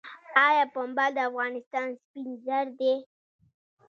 آیا پنبه د افغانستان سپین زر دي؟